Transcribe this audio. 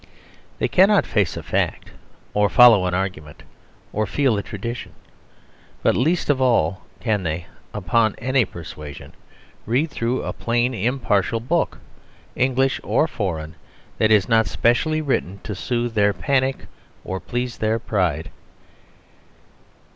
They cannot face a fact, or follow an argument, or feel a tradition; but, least of all, can they, upon any persuasion, read through a plain impartial book, English or foreign, that is not specially written to soothe their panic or to please their pride.